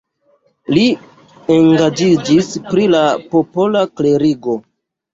Li engaĝiĝis pri la popola klerigo.